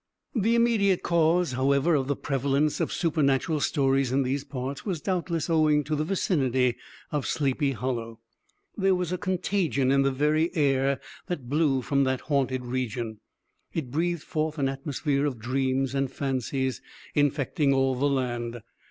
The immediate cause, however, of the prevalence of supernatural stories in these parts was doubtless owing to the vicinity of Sleepy Hollow. There was a contagion in the very air that blew from that haunted region; it breathed forth an atmosphere of dreams and fancies infecting all the land.